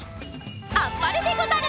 あっぱれでござる。